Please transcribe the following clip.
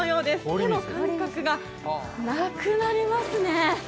手の感覚がなくなりますね。